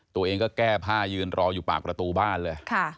ตัวเองก็แก้ผ้ายืนรออยู่ปากประตูบ้านเลย